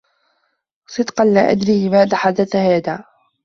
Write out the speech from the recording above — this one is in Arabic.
صدقا لا أدري لماذا حدث هذا.